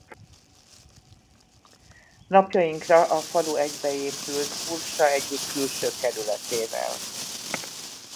Napjainkra a falu már egybeépült Bursa egyik külső kerületével.